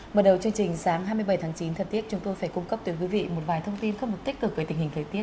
mở đầu chương trình sáng hai mươi bảy tháng chín thật tiếc chúng tôi phải cung cấp tới quý vị một vài thông tin khắp mục tích về tình hình thời tiết